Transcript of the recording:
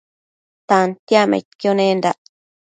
Tantiacmaidquio nendac